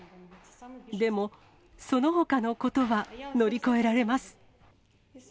でも、そのほかのことは乗り越えられます。